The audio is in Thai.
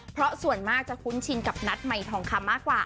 เพราะส่วนมากจะคุ้นชินกับนัทใหม่ทองคำมากกว่า